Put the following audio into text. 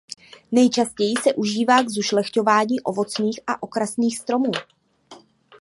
Nejčastěji se užívá k zušlechťování ovocných a okrasných stromů.